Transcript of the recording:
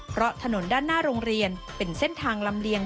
เพราะถนนด้านหน้าโรงเรียนเป็นเส้นทางลำเลียง